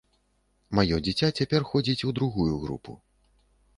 Маё дзіця цяпер ходзіць у добрую групу.